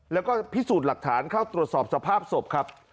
แล้วก็พิสูจน์หลักฐานเข้าตรวจสอบสภาพศพครับ